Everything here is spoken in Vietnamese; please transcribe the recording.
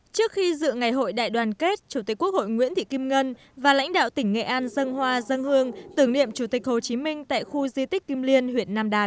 trước khi dự ngày hội đại đoàn kết chủ tịch quốc hội nguyễn thị kim ngân và lãnh đạo tỉnh nghệ an dân hoa dân hương tưởng niệm chủ tịch hồ chí minh tại khu di tích kim liên huyện nam đàn